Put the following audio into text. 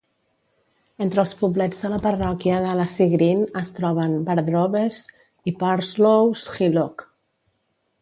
Entre els poblets de la parròquia de Lacey Green es troben Wardrobes i Parslow's Hillock.